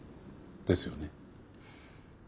ですよね？